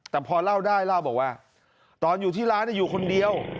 แต่พอเล่าได้เล่าบอกว่าตอนอยู่ที่ร้านอยู่คนเดียว